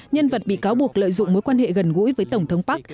nhân vật bị cáo buộc lợi dụng mối quan hệ gần gũi với tổng thống park